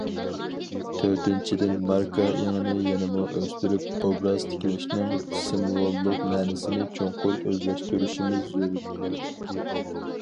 تۆتىنچىدىن، ماركا ئېڭىنى يەنىمۇ ئۆستۈرۈپ ئوبراز تىكلەشنىڭ سىمۋوللۇق مەنىسىنى چوڭقۇر ئۆزلەشتۈرۈشىمىز زۆرۈر.